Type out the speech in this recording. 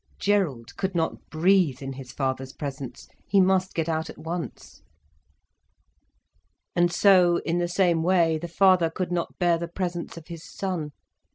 Gerald could not breathe in his father's presence. He must get out at once. And so, in the same way, the father could not bear the presence of his son.